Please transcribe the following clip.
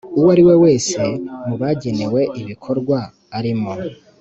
uwo ari we wese mu bagenewe ibikorwa arimo